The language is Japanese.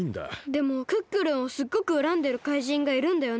でもクックルンをすっごくうらんでる怪人がいるんだよね？